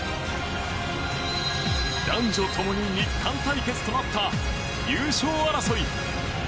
男女ともに日韓対決となった優勝争い。